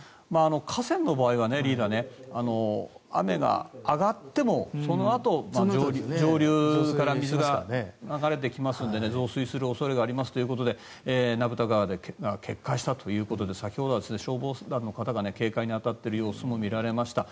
河川の場合はリーダー雨が上がってもそのあと上流から水が流れてきますので増水する恐れがありますということで名蓋川で決壊したということで先ほどは消防団の方が警戒に当たっている様子が見られました。